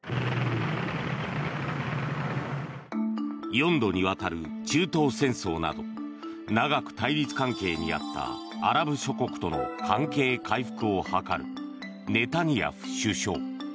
４度にわたる中東戦争など長く対立関係にあったアラブ諸国との関係回復を図るネタニヤフ首相。